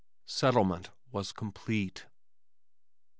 Settlement was complete.